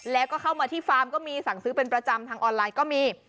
แล้วก็เข้ามาที่ฟาร์มก็มีสั่งซื้อเป็นประจำทางออนไลน์ก็มี